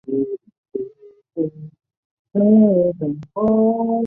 胭脂鱼只有一排梳子状结构的咽头齿。